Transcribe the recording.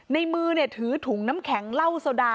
ในมือถือถุงน้ำแข็งเหล้าโซดา